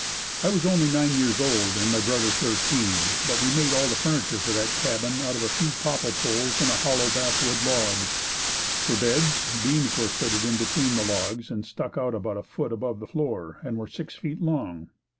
I was only nine years old and my brother thirteen, but we made all the furniture for that cabin out of a few popple poles and a hollow basswood log. For beds, beams were fitted in between the logs and stuck out about a foot above the floor and were six feet long.